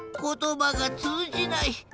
ことばがつうじない。